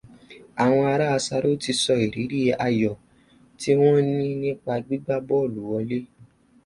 Àwọn ará Sàró ti sọ ìrírí ayọ̀ tí wọ́n ní nípa gbígbá bọ́ọ́lù wọlé.